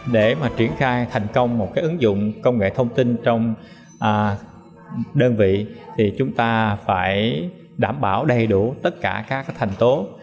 để mà triển khai thành công một cái ứng dụng công nghệ thông tin trong đơn vị thì chúng ta phải đảm bảo đầy đủ tất cả các thành tố